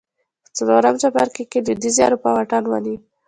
په څلورم څپرکي کې لوېدیځې اروپا واټن ونیو